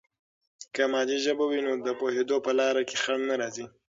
که مادي ژبه وي، نو د پوهیدو په لاره کې خنډ نه راځي.